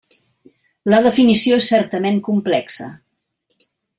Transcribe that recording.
La definició és certament complexa.